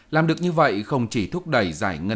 làm được như vậy không chỉ thúc đẩy giải ngân